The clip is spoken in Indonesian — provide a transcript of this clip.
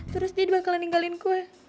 terus dia bakalan ninggalin kue